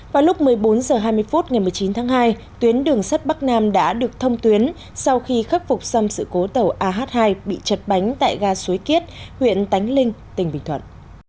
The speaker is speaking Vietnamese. vào lúc một mươi bốn h hai mươi phút ngày một mươi chín tháng hai tuyến đường sắt bắc nam đã được thông tuyến sau khi khắc phục xong sự cố tàu ah hai bị chật bánh tại ga suối kiết huyện tánh linh tỉnh bình thuận